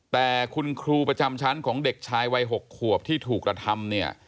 แต่คุณครูประจำชั้นของเด็กชายวัย๖ขวบที่ถูกกระทำเนี่ย